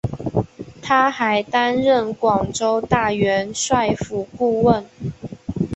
他还担任广州大元帅府顾问。